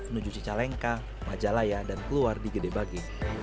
menuju cicalengka majalaya dan keluar di gedebagi